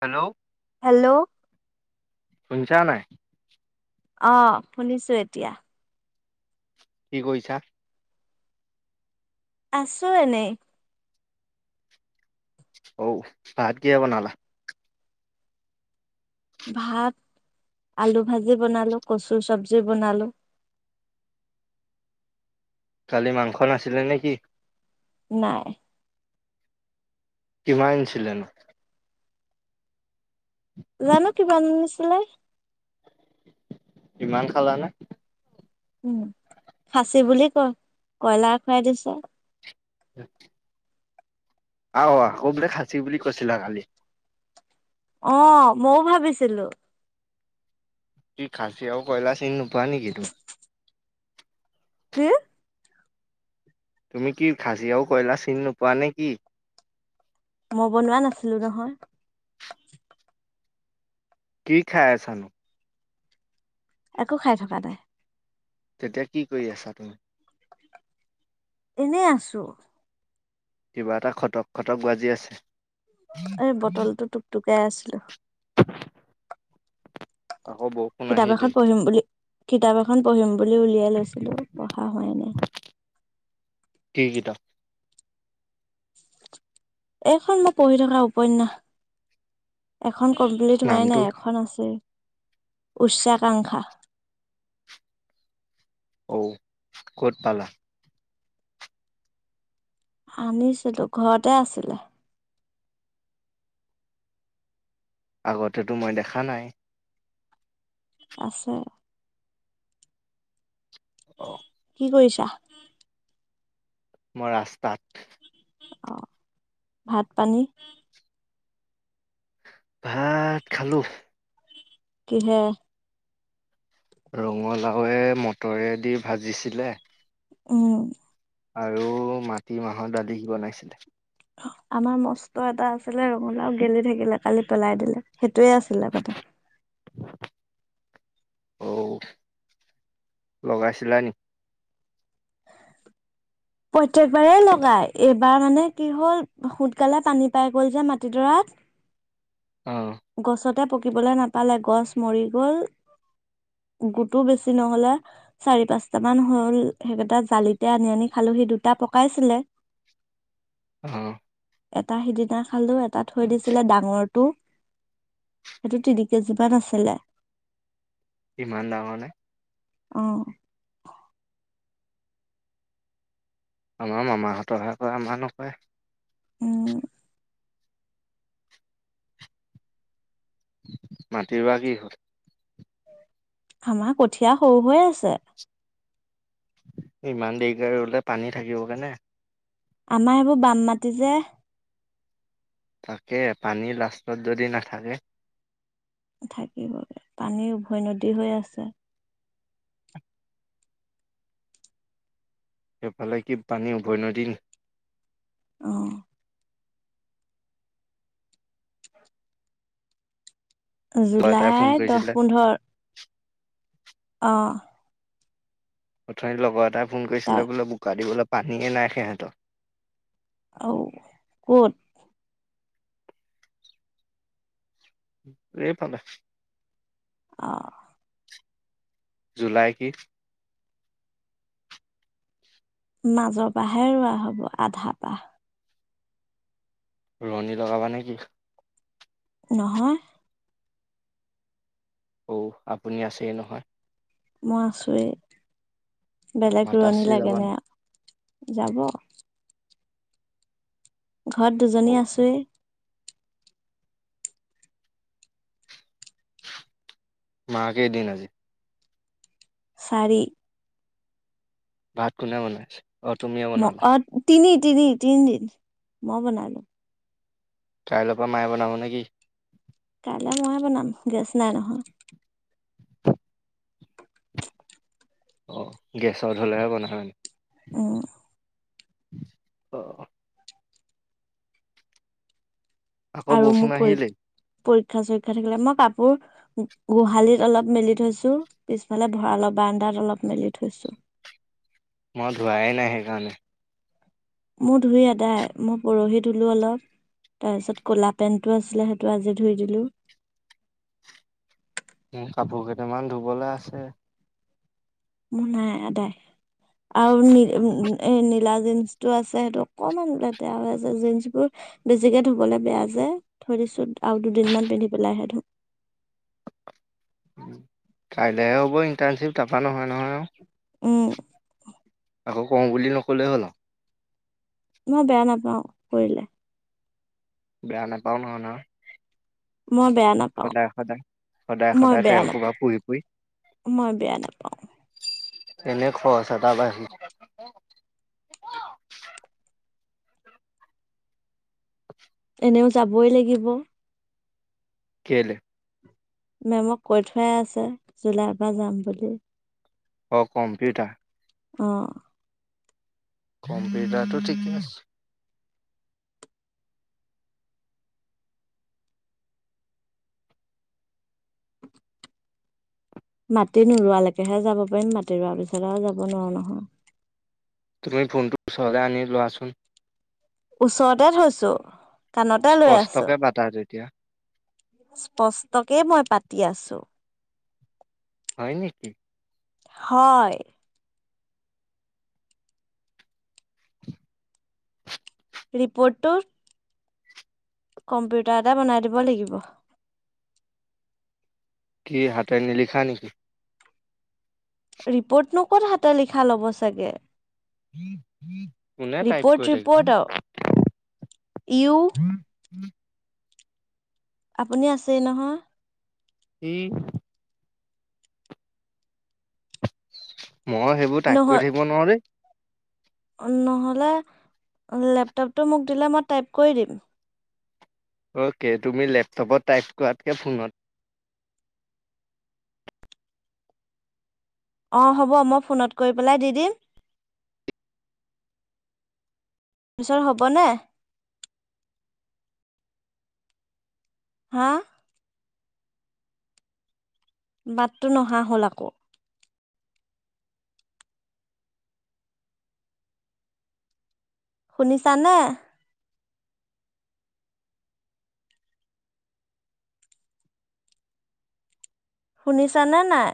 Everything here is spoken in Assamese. হেল্ল'। হেল্ল'। কুছা নাই। অ', শুনিছো এতিয়া। কি, কৰিছা। আছোঁ এনেই। অ', ভাতগী হে বনালা। ভাত আলু ভাজি বনালো কচুৰ চব্জি বনালো। [inaudible] কালি মাংস নাছিলে নে কি। নাই। কিমান আনিছিলে নু জানো কি কিমান আনিছিলে। ইমান খালা নে। উম খাচী বুলি কয় কইলাৰ খুৱাই দিছে। অ। আহ ক বোলে খাঁচী বুলি কৈছিলা কালি। অ মইও ভাবিছিলো। কি খাচী আৰু কয়লা চিন নোপোৱা নেকি তুমি। কি। তুমি কি খাছী ও কয়লা চিনি নোপোৱা নে কি। মই বনোৱা নাছিলো নহয়। কি খায় আছানু। একো খাই থকা নাই। তেতিয়া কি কৰি আছা তুমি। এনেই আছো। কিবা এটা খটক-খটক বাজি আছে। এ বটলটো টুকটুকাই আছিলো। [unintelligible] বৰষুণ কিতাপ এখন আহিলেই। পঢ়িম বুলি, কিতাপ এখন পঢ়িম বুলি উলিয়াই লৈছিলো পঢ়া হয়নে। কি কিতাপ? এইখন মই পঢ়ি থকা উপন্যাস। এখন কমপ্লিট হোৱাই নামটো? নাই এখন আছে। উচ্চাকাংক্ষা। অঔ, ক'ত পালা। আনিছিলো ঘৰতে আছিলে। আগতেতো মই দেখা নাই। আছে। অ' কি কৰিছা? মই ৰাস্তাত। অ', ভাত পানী। ভাত খালো। কিহে। ৰঙালাওে মটৰেদি ভাজিছিলে। উম। আৰু মাটি মাহৰ দালি বনাইছিলে। আমাৰ মস্ত এটা আছিলে ৰঙালাও গেলি থাকিলে কালি পেলাই দিলে সেইটোয়ে আছিলে মানে। অ', লগাইছিলা নে প্ৰত্যেকবাৰেেই লগাই এইবাৰ মানে কি হ'ল সোনকালে পানী পাই গ'ল যে মাটিডৰাত। অ', গছতে পকিবলৈ নাপালে গছ মৰি গল। গোতো বেছি নহলে, চাৰি পাঁচট মান হল। সেইকেইটা জালিতে আনি আনি খালো হি দুটা পকাইছিলে। অ'। এটা সিদিনা খালোঁ, এটা থৈ দিছিলে ডাঙৰটো। সেইটো তিনি কেজি মান আছিলে। ইমান ডাঙৰ নে? অ'। আমাৰ মামাহঁতৰহে কৰে, আমাৰ নকৰে। উম। মাটি ৰোৱা কি হ'ল? আমাৰ কঠীয়া সৰু হৈ আছে। ইমান দেৰিকে ৰোলে পানী থাকিবগৈ নে? আমাৰ এইবোৰ বাম মাতি যে তাকে পানী লাষ্টত যদি নাথাকে। থাকিবগে, পানী উভৈ নদী হৈ আছে। সেইফালে কি পানী উভৈ নদী নি অ'। লগৰ এটাই ফোন জুলাই দহ, কৰিছিলে পোন্ধৰ। অ'। অথনি লগৰ এটাই ফোন তাৰ কৰিছিলে বোলে বোকা দিবলৈ বোলে পানীয়েই নাই সিহঁতৰ। অউ, ক'ত? এইফালে। অ'। জুলাই কি? মাজৰ পাহে ৰোৱা হ'ব, আধা‌ পা। ৰোৱনি লগাবা নেকি? নহয়। অউ, আপুনি আছেই নহয়। মই আছোৱে, বেলেগ ৰোৱনী মাতাশ্ৰী লাগে যাবা নে। নাই? যাব ঘৰত অ', দুজনী আছোৱেই মাকেই দিন আজি চাৰি ভাত কোনে বনাইছে অ তুমিয়ে ম বনালা অ তিনি তিনি তিনিদিন মই বনালো কাইৰ পৰা মায়ে বনাব নেকি কাইলৈ মইে বনাম গেছ নাই নহয় অ গেছৰ হলেহে বন হয় উ আহ আকৌ আৰু মোৰ বৰষুণ পৰি আহিলেই পৰীক্ষা চীক্ষা থাকিলে মই কাপোৰ গোহালিত অলপ মেলি থৈছো পিছফালে ভৰালব ব্দাত অলপ মেলি থৈছো মই ধোৱাই নাই সেইকাৰণে মোৰ ধুই আদাই মই পৰহি ধুলো অলপ তাৰপিছত কলা পেন্টটো আছিলে সেইটো আজি ধুই দিলো উ কাপোৰ কেইটামান ধুবলৈ আছে মনাইায় আৰু ন এ নীলা জীন্স টো আছে সেইটো অকমান লাতেয়া হৈ আছে জীন্স বোৰ বেছিকে ধুবলৈ বেয়া যে থৈ দিছো আৰু দুদিনমান পিন্ধি পেলাইহে ধুম [unintelligible] কাইলেহে হ'ব ইণ্টাৰ্ণশ্বিপ তপা নহয় নহয় আৰু উম আকৌ কওঁ বুলি নক'লেই হ'ল মই বেয়া নাপাওঁ কৰিলে বেয়া নাপা ন ন মই বেয়া নাপাওঁ সদায় মই সদায় বেয়া তেল সোপা নাপাওঁ পুৰি পুৰি মই বেয়া নাপাওঁ এনে খোৱাচা তাৰাব আহি এনেও যাবই লাগিব কলৈ মেমক কৈ থোৱয় আছে জুলাই পৰা যাম বুলি অ কম্পিউটাৰ আহ কম্পিউটাৰটো ঠিকেই আছে মাটি নোোৰোৱালৈকেহে যাব পাৰিম মাটি ৰোৱাৰ পিছত আৰু যাব নোৱাৰোঁ নহয় তুমি ফোনটো চদায় আনি লোৱাচোন ওচৰতে থৈছো কাণতে লৈ আছো স্পষ্টকে পাতা তেতিয়া স্পষ্টকে মই পাতি আছো হয় নেকি হয় ৰিপৰ্টটো কম্পিউটাৰতে বনাই দিব লাগিব। কি হাতে নিলিখা নেকি? ৰিপ'ৰ্টনো ক'ত হাতে লিখা ল'ব চাগে। কোনে টাইপ ৰিপৰ্ট কৰি ৰিপৰ্ট আৰু থাকিব। ইউ' আপুনি আছে নহয়। ইহ। মই সেইবোৰ টাইপ কৰি নহয় থাকিব নোৱাৰো দেই। নহ'লে লেপটপটো মোক দিলে, মই টাইপ কৰি দিম। অ'কে তুমি লেপটপত টাইপ কৰাতকে ফোনত অ' হ'ব মই ফোনত কৰি পেলাই দি দিম। পিছে হ'বনে? হা। বাটটো নহা হ'ল আকৌ। শুনিছানে? শুনিছানে নাই?